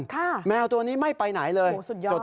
ค่ะแมวตัวนี้ไม่ไปไหนเลยโอ้โหสุดยอด